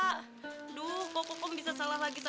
aduh kokom bisa salah lagi kayak gini ya